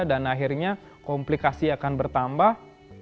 dan akhirnya komplikasi akan bertambah